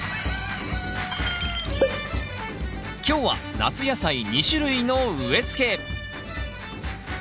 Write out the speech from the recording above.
今日は夏野菜２種類の植えつけ！